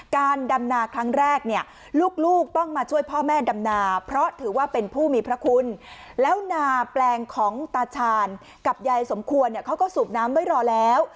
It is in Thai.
การดำนาครั้งแรกเนี่ยลูกต้องมาช่วยพ่อแม่ดำนาเพราะถือว่าเป็นผู้มีพระคุณแล้วนาแปลงของตาชาญกับยายสมควรเนี่ยเขาก็สูบน้ำไว้รอแล้ว